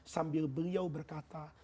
sambil beliau berkata